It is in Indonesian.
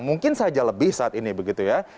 mungkin saja lebih saat ini begitu ya